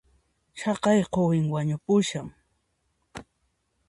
Chaqay quwin wañupushan